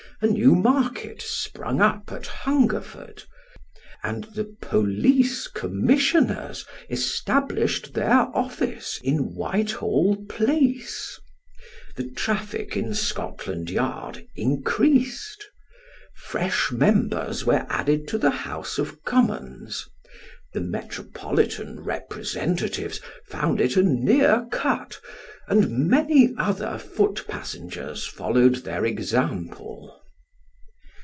A new market sprung up at Hungerford, and the Police Commissioners established their office in Whitehall Place, The traffic in Scotland Yard increased ; fresh Members were added to the House of Commons, the Metropolitan Representatives found it a near cut, and many other foot passengers followed their example.